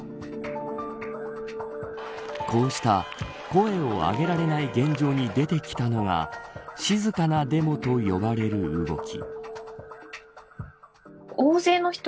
こうした、声をあげられない現状に出てきたのが静かなデモと呼ばれる動き。